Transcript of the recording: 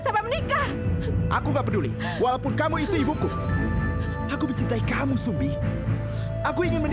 sampai jumpa di video selanjutnya